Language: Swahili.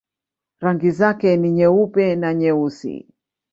Rangi zake ni nyeupe na nyeusi.